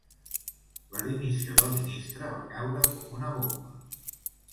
La dimissió del ministre va caure com una bomba.